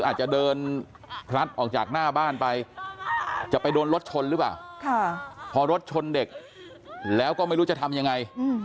อาจจะเดินพลัดออกจากหน้าบ้านไปจะไปโดนรถชนหรือเปล่าพอรถชนเด็กแล้วก็ไม่รู้จะทำยังไง